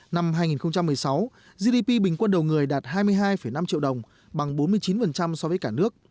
năm hai nghìn một mươi sáu gdp bình quân đầu người đạt hai mươi hai năm triệu đồng bằng bốn mươi chín so với cả nước